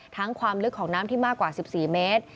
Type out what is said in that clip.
ความลึกของน้ำที่มากกว่า๑๔เมตร